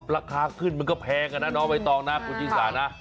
ราคาขึ้นมันก็แพงอ่ะนะน้องใบตองนะคุณชิสานะ